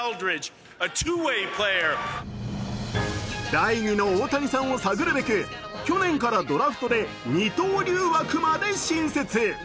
第２の大谷さんを探るべく去年からドラフトで二刀流枠まで新設。